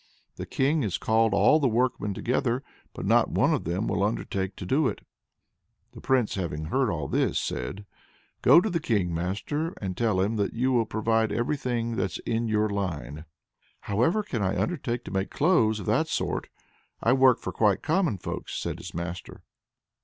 The King has called all the workmen together, but not one of them will undertake to do it." The Prince, having heard all this, said, "Go to the King, master, and tell him that you will provide everything that's in your line." "However can I undertake to make clothes of that sort; I work for quite common folks," says his master.